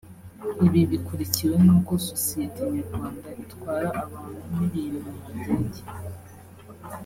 Ibi bikurikiwe n’uko Sosiyete Nyarwanda itwara abantu n’ibintu mu ndege